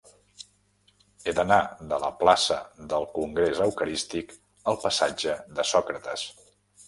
He d'anar de la plaça del Congrés Eucarístic al passatge de Sòcrates.